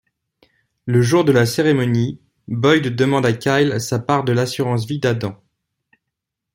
Le jour de la cérémonie, Boyd demande à Kyle sa part de l'assurance-vie d'Adam.